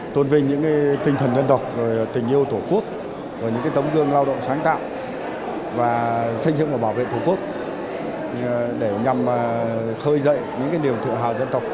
tôn vinh những tinh thần dân tộc tình yêu tổ quốc những tấm gương lao động sáng tạo xây dựng và bảo vệ tổ quốc để nhằm khơi dậy những điều thượng hào dân tộc